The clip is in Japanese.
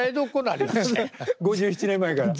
５７年前から。